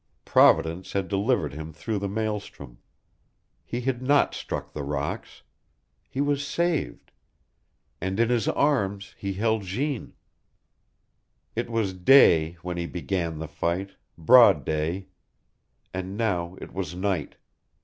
Providence had delivered him through the maelstrom. He had not struck the rocks. He was saved. And in his arms he held Jeanne. It was day when he began the fight, broad day. And now it was night.